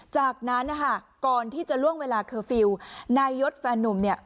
จากนั้นนะคะก่อนที่จะล่วงเวลาเคอร์ฟิลล์นายยศแฟนนุ่มเนี่ย